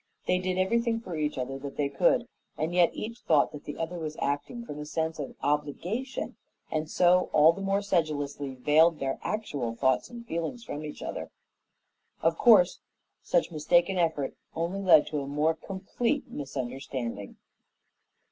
They did everything for each other that they could, and yet each thought that the other was acting from a sense of obligation, and so all the more sedulously veiled their actual thoughts and feelings from each other. Or course, such mistaken effort only led to a more complete misunderstanding.